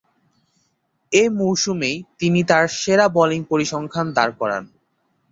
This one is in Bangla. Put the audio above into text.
এ মৌসুমেই তিনি তার সেরা বোলিং পরিসংখ্যান দাঁড় করান।